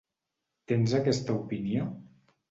Tens aquesta opinió?